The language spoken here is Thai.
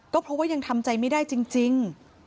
ก็เพราะว่ายังทำใจไม่ได้จริง